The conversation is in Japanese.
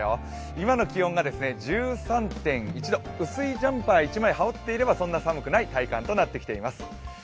今の気温が１３．１度、薄いジャンパー１枚羽織っていればそんな寒くない体感となってます。